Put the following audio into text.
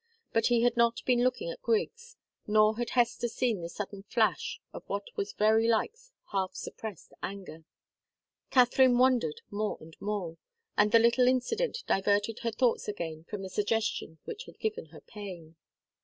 But he had not been looking at Griggs, nor had Hester seen the sudden flash of what was very like half suppressed anger. Katharine wondered more and more, and the little incident diverted her thoughts again from the suggestion which had given her pain.